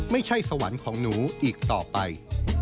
ไม่ใช่สวรรค์ของหนูอีกต่อไป